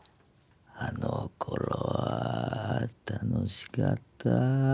あのころは楽しかった。